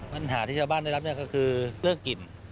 ปัญหาที่ชาวบ้านได้รับเนี่ยก็คือเรื่องกลิ่น